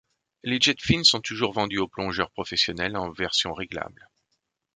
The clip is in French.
Les Jetfins sont toujours vendues aux plongeurs professionnels en version réglable.